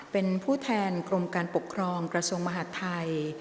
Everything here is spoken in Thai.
เป็นผู้แทนกรมการปกครองกระทรวงมหาดไทย